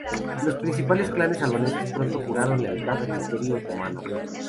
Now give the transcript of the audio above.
Los principales clanes albaneses pronto juraron lealtad al Imperio otomano.